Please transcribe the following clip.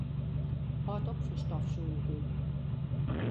Hâld op fan stofsûgjen.